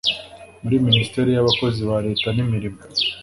muri minisiteri y'abakozi ba leta n'imirimo